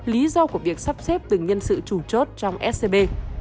lý do của việc sắp xếp từng nhân sự chủ chốt trong scb